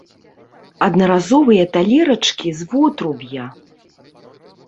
Аднаразовыя талерачкі з вотруб'я!